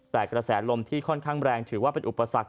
แต่กระแสลมที่ค่อนข้างแรงถือว่าเป็นอุปสรรค